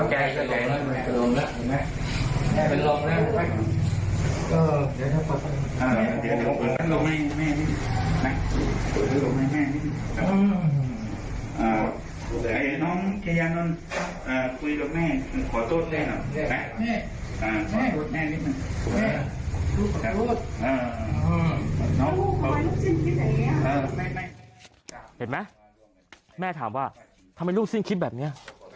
เห็นไหมแม่ถามว่าทำไมลูกสิ้นคิดแบบนี้